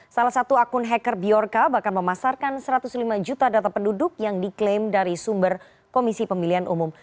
salah satu akun hacker bjorka bahkan memasarkan satu ratus lima juta data penduduk yang diklaim dari sumber komisi pemilihan umum